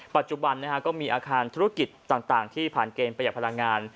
ปัจจุบันก็มีอาคารธุรกิจต่างที่ผ่านเกณฑ์ประหยัดพลังงาน